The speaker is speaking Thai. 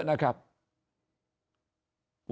วันนี้อาจารย์สมชัยก็ฝากไปถึงพลเอกประยุทธ์